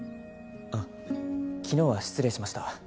あっ昨日は失礼しました。